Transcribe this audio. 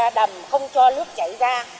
thì đầm không cho nước chảy ra